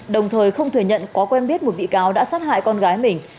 đồng thời không thừa nhận có quen biết một bị cáo đã sát hại con gái mình